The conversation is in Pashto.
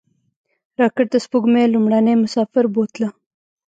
راکټ د سپوږمۍ لومړنی مسافر بوتله